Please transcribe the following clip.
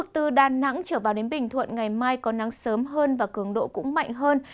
từ đà nẵng trở vào đến bình thuận ngày mai có nắng sớm hơn và cường độ cũng mạnh hơn